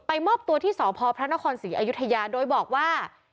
มอบตัวที่สพพระนครศรีอยุธยาโดยบอกว่า